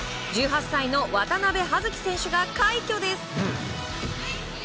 １８歳の渡部葉月選手が快挙です。